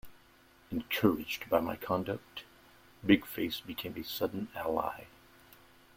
Encouraged by my conduct, Big-Face became a sudden ally.